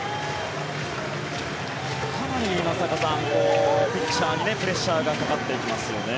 かなり松坂さんピッチャーにプレッシャーがかかっていきますよね。